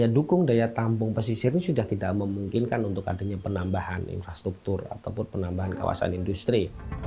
dukung daya tampung pesisir ini sudah tidak memungkinkan untuk adanya penambahan infrastruktur ataupun penambahan kawasan industri